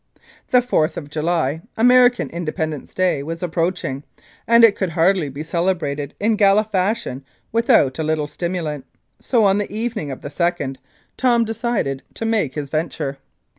The 4th of July, American Independence Day, was approaching, and it could hardly be celebrated in gala fashion without a little stimulant, so on the evening of the 2nd, Tom decided to make his venture.